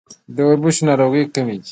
د وربشو ناروغۍ کومې دي؟